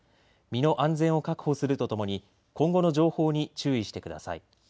身の安全を確保するとともに今後の情報に注意してください。